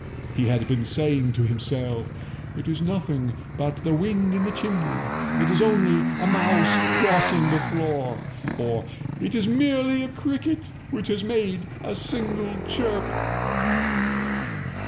He had been saying to himself—"It is nothing but the wind in the chimney—it is only a mouse crossing the floor," or "It is merely a cricket which has made a single chirp."